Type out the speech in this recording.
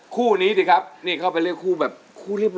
คู่นี้สิครับนี่เข้าไปเรียกคู่แบบคู่เรียบร